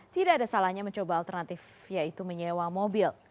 tidak ada salahnya mencoba alternatif yaitu menyewa mobil